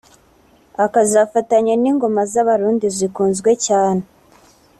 akazafatanya n’ingoma z’abarundi zikunzwe cyane